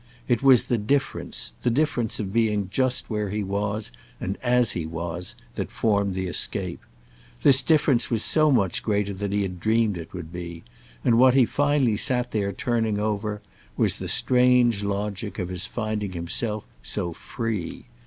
It was the difference, the difference of being just where he was and as he was, that formed the escape—this difference was so much greater than he had dreamed it would be; and what he finally sat there turning over was the strange logic of his finding himself so free.